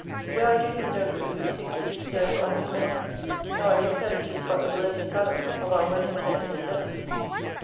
Where I do him no good, methinks it is scarce honest gain, though I confess 'tis but the worthy salary of our well intended endeavours.